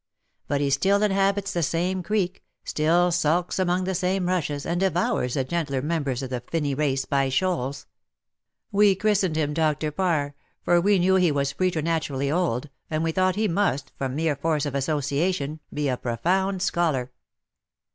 But he still inhabits the same creek, still sulks among the same rushes, and devours the gentler members of the finny race by shoals. We chris tened him Dr. Parr, for we knew he was preter naturally old, and we thought he must, from mere force of association, be a profound scholar